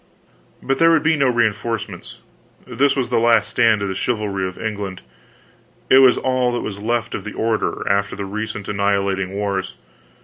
But there would be no reinforcements; this was the last stand of the chivalry of England; it was all that was left of the order, after the recent annihilating wars.